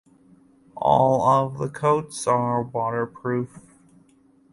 All of the coats are waterproof.